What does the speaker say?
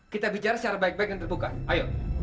kita bicara secara baik baik dan terbuka ayo